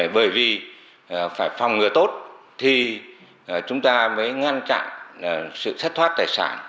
bởi vì phải phòng ngừa tốt thì chúng ta mới ngăn chặn sự thất thoát tài sản